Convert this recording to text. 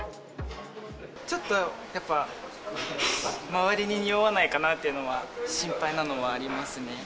ちょっとやっぱ、周りに臭わないかなっていうのは心配なのはありますね。